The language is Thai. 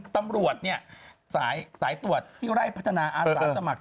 ตำรวจเนี่ยสายตรวจรายบินตรวจที่ไล่พัฒนาอาหารสมัคร